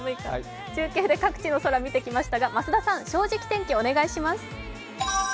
中継で各地の空、見てきましたが、増田さん、「正直天気」お願いします。